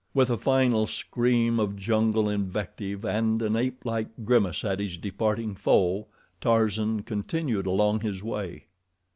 With a final scream of jungle invective and an apelike grimace at his departing foe, Tarzan continued along his way.